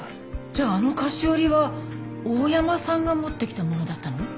じゃああの菓子折りは大山さんが持ってきたものだったの？